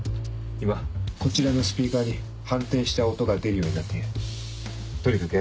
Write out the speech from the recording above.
今こちらのスピーカーに反転した音が出るようになってる。